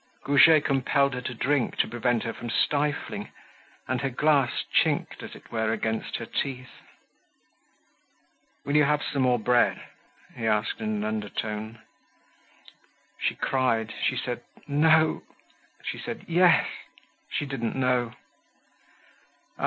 Goujet compelled her to drink to prevent her from stifling, and her glass chinked, as it were, against her teeth. "Will you have some more bread?" he asked in an undertone. She cried, she said "no," she said "yes," she didn't know. Ah!